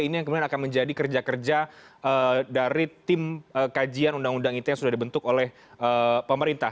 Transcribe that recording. ini yang kemudian akan menjadi kerja kerja dari tim kajian undang undang ite yang sudah dibentuk oleh pemerintah